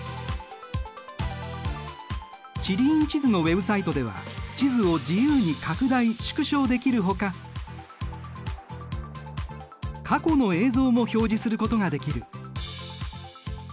地理院地図のウェブサイトでは地図を自由に拡大縮小できるほか過去の映像も表示することができる。